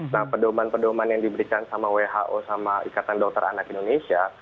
nah pedoman pedoman yang diberikan sama who sama ikatan dokter anak indonesia